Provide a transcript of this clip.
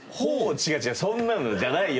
違う違うそんなのじゃないよ。